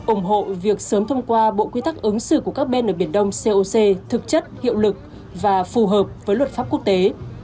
ủng hộ việc sớm thông qua bộ quy tắc ứng xử của các bên ở biển đông coc thực chất hiệu lực và phù hợp với luật pháp quốc tế